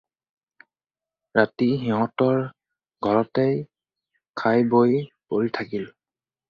ৰাতি সিহঁতৰ ঘৰতে খাই-বই পৰি থাকিল।